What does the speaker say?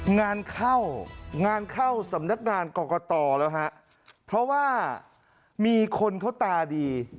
งานเข้างานเข้าสำนักงานกรกตแล้วฮะเพราะว่ามีคนเขาตาดี